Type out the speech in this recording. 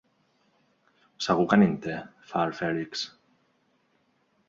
Segur que ni en té —fa el Fèlix.